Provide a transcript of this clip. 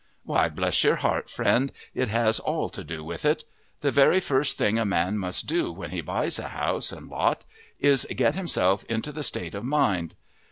Why, bless your heart, Friend, it has all to do with it! The very first thing a man must do when he buys a house and lot is, get himself into the state of mind.